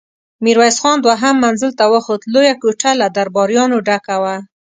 ميرويس خان دوهم منزل ته وخوت، لويه کوټه له درباريانو ډکه وه.